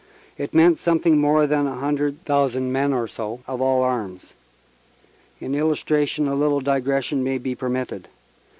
It meant something more than a hundred thousand men or so of all arms. In illustration a little digression may be permitted.